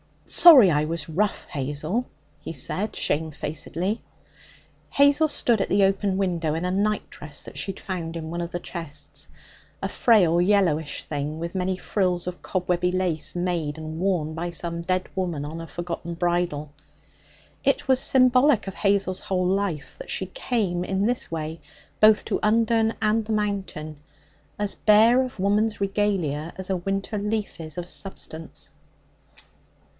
'Sorry I was rough, Hazel,' he said shamefacedly. Hazel stood at the open window in a nightdress that she had found in one of the chests a frail, yellowish thing with many frills of cobwebby lace made and worn by some dead woman on a forgotten bridal. It was symbolic of Hazel's whole life that she came in this way both to Undern and the Mountain as bare of woman's regalia as a winter leaf is of substance.